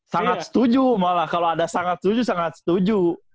sangat setuju malah kalau ada sangat setuju sangat setuju